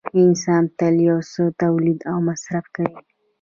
انسان تل یو څه تولید او مصرف کوي